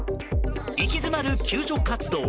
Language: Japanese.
行き詰まる救助活動。